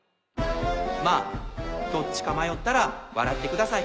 まぁどっちか迷ったら笑ってください。